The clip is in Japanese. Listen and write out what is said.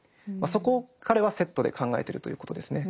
そこを彼はセットで考えてるということですね。